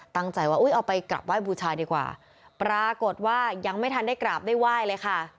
ตั้งใจว่าอุ้ยเอาไปกลับไห้บูชาดีกว่าปรากฏว่ายังไม่ทันได้กราบได้ไหว้เลยค่ะ